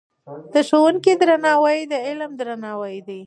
د ښوونکي درناوی د علم درناوی دی.